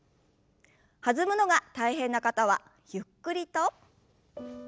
弾むのが大変な方はゆっくりと。